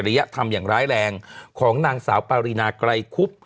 ศรียะทำอย่างร้ายแรงของหนังสาวปารินาไกรคุบ